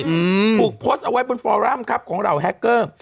ถูกโพสต์เอาไว้บนฟอรัมครับของเหล่าแฮคเกอร์